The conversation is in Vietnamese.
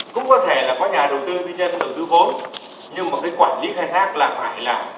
cũng có thể là có nhà đầu tư nhân tử tư phố nhưng mà cái quản lý khai thác là phải là là cơ bản là phải là ông acv